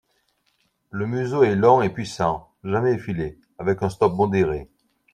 Le museau est long et puissant, jamais effilé, avec un stop modéré.